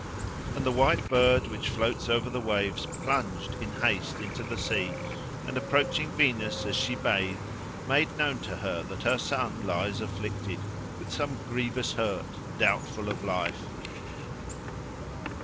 And the white bird which floats over the waves plunged in haste into the sea, and approaching Venus, as she bathed, made known to her that her son lies afflicted with some grievous hurt, doubtful of life.